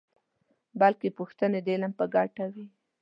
بلکې پوښتنې د علم په ګټه وي.